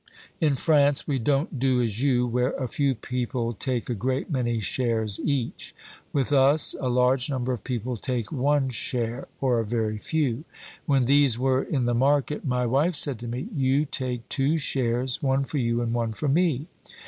In France we don't do as you, where a few people take a great many shares each. With us a large number of people take one share or a very few. When these were in the market my wife said to me, 'You take two shares, one for you and one for me.'"